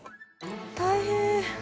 大変。